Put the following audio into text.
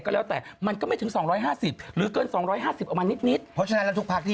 อ้าวแล้วยังไงอ่ะไม่รู้เราก็ไม่รู้ต่อไป